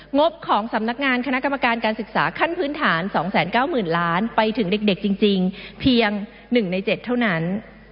งบของสำนักงานคณะกรรมการการศึกษาขั้นพื้นฐาน๒๙๐๐๐ล้านไปถึงเด็กจริงเพียง๑ใน๗เท่านั้น